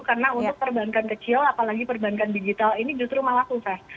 karena untuk perbankan kecil apalagi perbankan digital ini justru malah susah